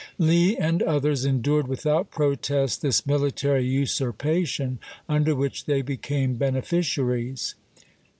isei. Lee and others endured without protest this mili tary usurpation, under which they became bene ficiaries.